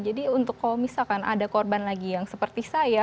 jadi kalau misalkan ada korban lagi yang seperti saya